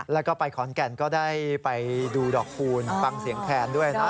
แล้วก็ไปขอนแก่นก็ได้ไปดูดอกคูณฟังเสียงแคนด้วยนะ